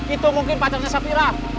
itu mungkin pacarnya sofira